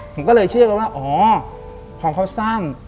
ผมก็เลยเชื่อกันว่าอ๋อพอเขาสร้าง